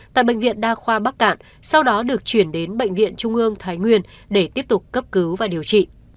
tại bệnh viện đa khoa bắc cạn sau đó được chuyển đến bệnh viện trung ương thái nguyên để tiếp tục cấp cứu và điều trị